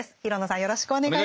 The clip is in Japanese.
よろしくお願いします。